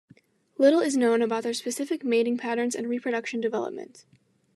Little is known about their specific mating patterns and reproduction development.